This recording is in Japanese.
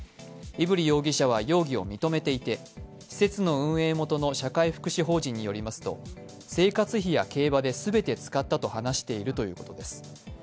飯降容疑者は容疑を認めていて施設の運営元の社会福祉法人によると、競輪や生活費で全て使ったと話しているというきことです。